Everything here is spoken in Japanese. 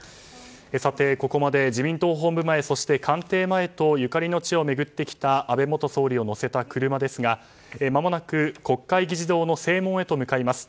ここまで自民党本部前、そして官邸前とゆかりの地を巡ってきた安倍元総理を乗せた車ですがまもなく国会議事堂の正門へと向かいます。